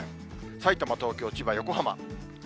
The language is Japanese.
さいたま、東京、千葉、横浜。